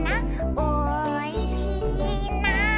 「おいしいな」